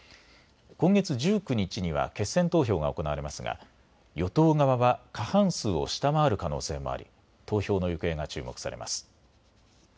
今月１９日には決選投票が行われますが与党側は過半数を下回る可能性もあり投票の行方が注目されます。